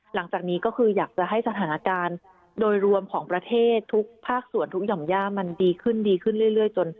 หลังจากนี้ก็คืออยากจะให้สถานการณ์โดยรวมของประเทศทุกภาคส่วนทุกหย่อมย่ามันดีขึ้นดีขึ้นเรื่อยจน